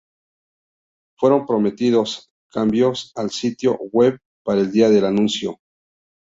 Fueron prometidos cambios al sitio web para el día del anuncio.